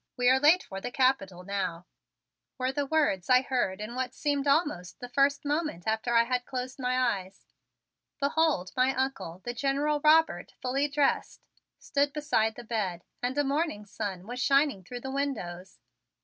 We are late for the Capitol now," were the words I heard in what seemed almost the first moment after I had closed my eyes. Behold, my Uncle, the General Robert, fully dressed, stood beside the bed and a morning sun was shining through the windows.